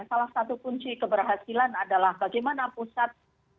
salah satu kunci keberhasilan adalah bagaimana pusat